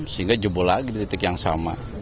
sehingga jebol lagi di titik yang sama